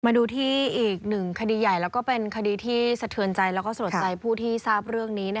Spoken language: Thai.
มาดูที่อีกหนึ่งคดีใหญ่แล้วก็เป็นคดีที่สะเทือนใจแล้วก็สะลดใจผู้ที่ทราบเรื่องนี้